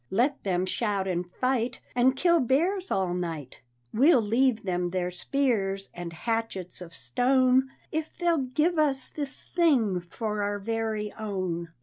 "Let them shout and fight And kill bears all night; We'll leave them their spears and hatchets of stone If they'll give us this thing for our very own.